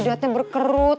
berkurang ini dari lo ruth